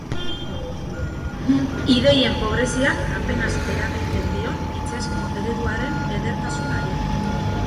Ideien pobreziak apenas eragiten dion hitzezko ereduaren edertasunari.